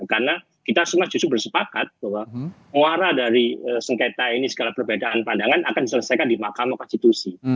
karena kita semua justru bersepakat bahwa menguara dari sengketa ini segala perbedaan pandangan akan diselesaikan di mahkamah konstitusi